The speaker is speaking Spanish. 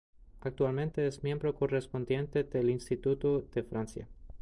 Actualmente es miembro correspondiente del Instituto de Francia.